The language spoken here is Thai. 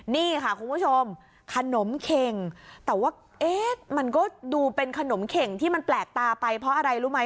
นี่ค่ะคุณผู้ชมขนมเข็งแต่ว่าเอ๊ะมันก็ดูเป็นขนมเข่งที่มันแปลกตาไปเพราะอะไรรู้ไหม